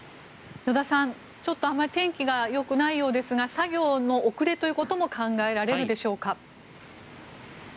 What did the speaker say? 依田さん天気があまりよくないようですが作業の遅れということも考えられるでしょうか。